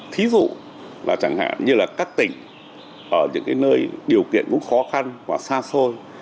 thí dụ là chẳng hạn như là các tỉnh ở những nơi điều kiện cũng khó khăn và xa xôi